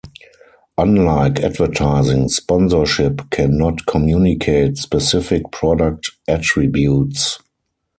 Unlike advertising, sponsorship can not communicate specific product attributes.